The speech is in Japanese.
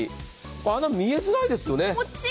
穴、見えづらいですよね。